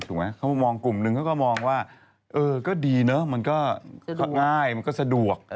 เขาก็มองกลุ่มนึงเขาก็มองว่าเออก็ดีเนอะมันก็ง่ายมันก็สะดวก